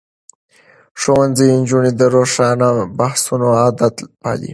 ښوونځی نجونې د روښانه بحثونو عادت پالي.